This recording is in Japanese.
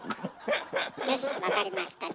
よしわかりました。